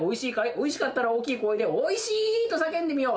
おいしかったら大きい声で「おいしい！」と叫んでみよう。